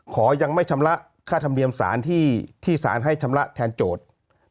ขอยังไม่ชำระค่าธรรมเนียมสารที่สารให้ชำระแทนโจทย์